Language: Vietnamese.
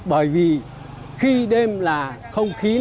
bởi vì khi đêm là không khí nó nén xuống